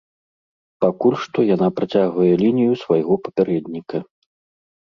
Пакуль што яна працягвае лінію свайго папярэдніка.